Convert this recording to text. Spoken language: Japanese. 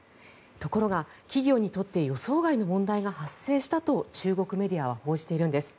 ところが、企業にとって予想外の問題が発生したと中国メディアは報じているんです。